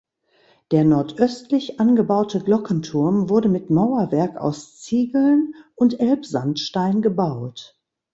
Der nordöstlich angebaute Glockenturm wurde mit Mauerwerk aus Ziegeln und Elbsandstein gebaut.